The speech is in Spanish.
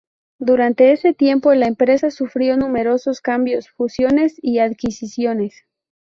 Durante ese tiempo, la empresa sufrió numerosos cambios, fusiones y adquisiciones.